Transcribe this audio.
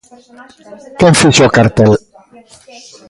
Quen fixo o cartel?